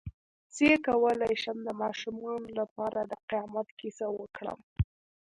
څ�ه کولی شم د ماشومانو لپاره د قیامت کیسه وکړم